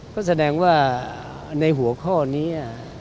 ก็แสดงว่าในหัวข้อนี้